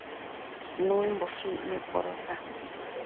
Nuëmboshë icnuc codoca